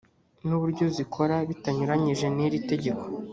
n uburyo zikora bitanyuranyije n iri tegeko